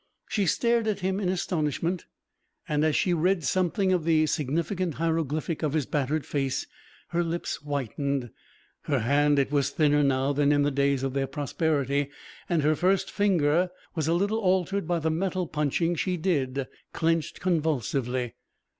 She stared at him in astonishment, and as she read something of the significant hieroglyphic of his battered face, her lips whitened. Her hand it was thinner now than in the days of their prosperity, and her first finger was a little altered by the metal punching she did clenched convulsively.